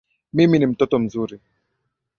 Mimi ni mtoto mzuri